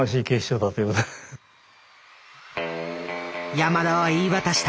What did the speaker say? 山田は言い渡した。